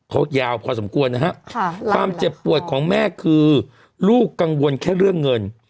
เขายาวพอสมควรนะฮะความเจ็บปวดของแม่คือลูกกังวลแค่เรื่องเงิน